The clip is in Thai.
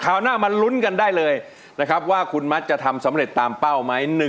หน้ามาลุ้นกันได้เลยนะครับว่าคุณมัดจะทำสำเร็จตามเป้าไหม